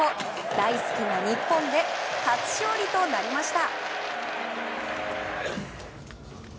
大好きな日本で初勝利となりました。